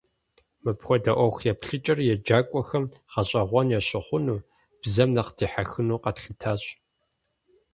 Мыпхуэдэ ӏуэху еплъыкӏэр еджакӀуэхэм гъэщӀэгъуэн ящыхъуну, бзэм нэхъ дихьэхыну къэтлъытащ.